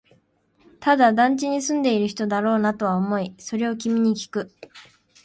ただ、団地に住んでいる人だろうなとは思い、それを君にきく